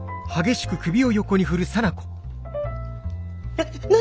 えっ何！？